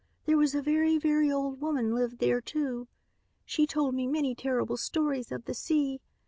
There was a very, very old woman lived there too. She told me many terrible stories of the sea.